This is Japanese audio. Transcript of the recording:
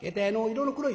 色の黒い？